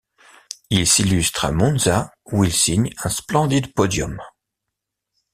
Il s'illustre à Monza où il signe un splendide podium.